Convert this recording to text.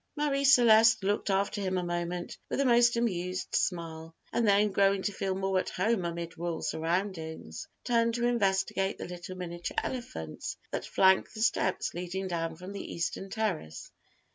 Marie Celeste looked after him a moment with a most amused smile, and then growing to feel more at home amid royal surroundings, turned to investigate the little miniature elephants that flank the steps leading down from the eastern terrace.